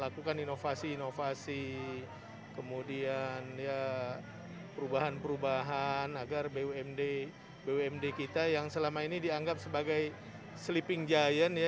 lakukan inovasi inovasi kemudian perubahan perubahan agar bumd kita yang selama ini dianggap sebagai sleeping giant ya